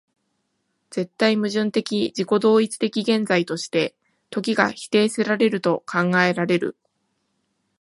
絶対矛盾的自己同一的現在として、時が否定せられると考えられる